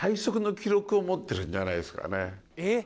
「えっ！」